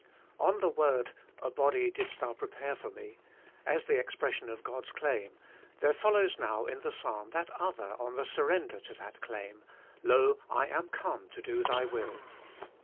ON the word, A body didst thou prepare for Me, as the expres sion of God's claim, there follows now in the Psalm that other on the surrender to that claim — Lo, I am come to do Thy will.